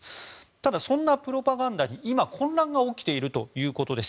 ただ、そんなプロパガンダに今、混乱が起きているということです。